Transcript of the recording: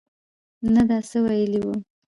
نه ده څه ویلي وو.